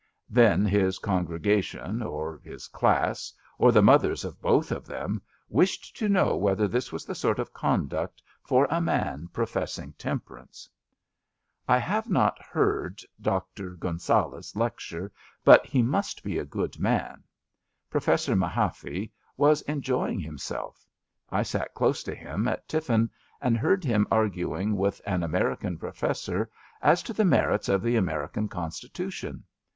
Then his congregation or his class^ or the mothers of both of them, wished to know whether this was the sort of conduct for a man professing temperance. I have not heard Dr. Gunsaulus lecture, but he must be a good man. Professor Mahaffy was enjoying himself. I sat close to him at tiffin and heard him arguing with an American professor as to the merits of the American Constitution.